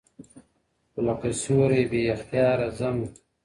خو لکه سیوری بې اختیاره ځمه .